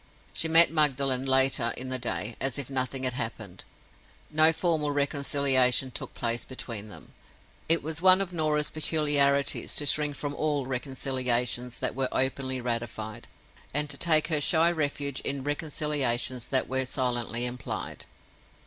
She met Magdalen, later in the day, as if nothing had happened: no formal reconciliation took place between them. It was one of Norah's peculiarities to shrink from all reconciliations that were openly ratified, and to take her shy refuge in reconciliations that were silently implied.